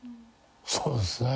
そうですね。